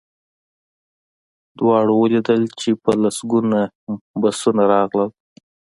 دواړو ولیدل چې په لسګونه بسونه راغلل